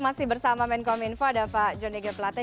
masih bersama menkom info ada pak jonny g pelate